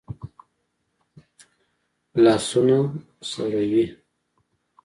لاسونه سړې وي